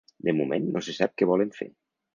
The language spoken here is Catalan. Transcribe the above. De moment, no se sap què volen fer.